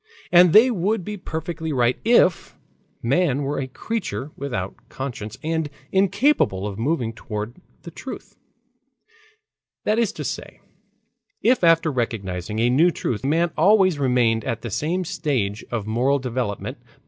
And they would be perfectly right if man were a creature without conscience and incapable of moving toward the truth; that is to say, if after recognizing a new truth, man always remained at the same stage of moral development.